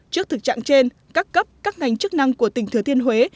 trước thực trạng trên các cấp các ngành chức năng của tỉnh thừa thiên huế